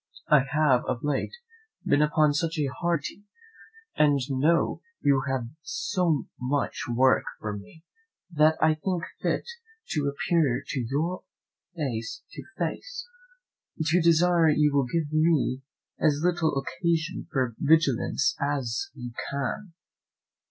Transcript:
I have of late been upon such hard duty, and know you have so much work for me, that I think fit to appear to you face to face, to desire you will give me as little occasion for vigilance as you can."